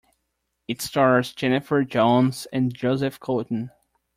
It stars Jennifer Jones and Joseph Cotten.